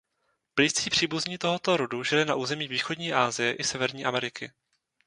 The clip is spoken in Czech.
Blízcí příbuzní tohoto rodu žili na území východní Asie i Severní Ameriky.